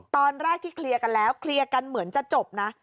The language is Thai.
ตอนแรกที่เคลียร์กันแล้วเคลียร์กันเหมือนจะจบนะ